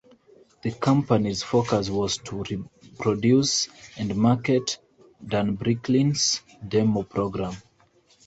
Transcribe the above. The company's focus was to produce and market "Dan Bricklin's Demo Program".